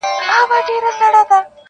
• کله دي مرګ وي اور د ګرمیو -